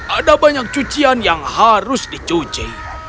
ada banyak cucian yang harus dicuci